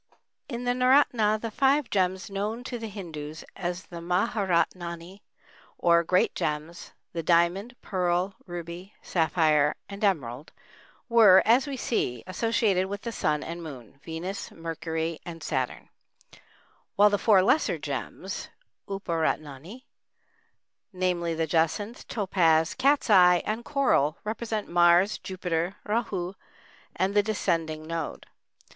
] In the naoratna the five gems known to the Hindus as the mahâratnâni, or "great gems,"—the diamond, pearl, ruby, sapphire, and emerald,—were, as we see, associated with the Sun and Moon, Venus, Mercury, and Saturn, while the four lesser gems (uparatnâni)—namely, the jacinth, topaz, cat's eye, and coral—represent Mars, Jupiter, Râhu, and the descending node.